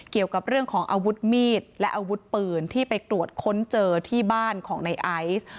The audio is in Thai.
เกี่ยวกับเรื่องของอาวุธมีดและอาวุธปืนที่ไปตรวจค้นเจอที่บ้านของในไอซ์